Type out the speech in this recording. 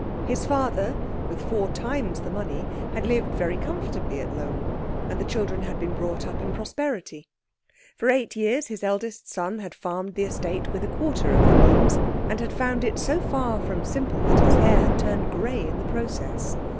His father, with four times the money, had lived very comfortably at Lohm, and the children had been brought up in prosperity. For eight years his eldest son had farmed the estate with a quarter the means, and had found it so far from simple that his hair had turned grey in the process.